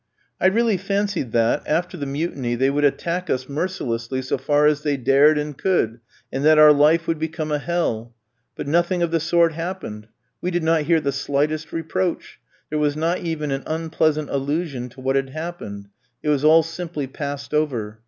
I really fancied that, after the mutiny, they would attack us mercilessly so far as they dared and could, and that our life would become a hell. But nothing of the sort happened; we did not hear the slightest reproach, there was not even an unpleasant allusion to what had happened, it was all simply passed over.